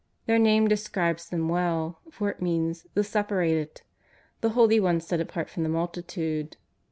Their name describes them well, for it means'' the Separated," the holy ones set apart from the multitude.